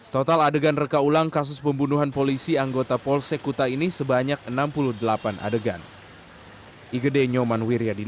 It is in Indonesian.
total adegan reka ulang kasus pembunuhan polisi anggota polsek kuta ini sebanyak enam puluh delapan adegan